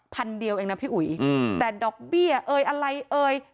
พันเดียวเองนะพี่อุ๋ยอืมแต่ดอกเบี้ยเอ่ยอะไรเอ่ย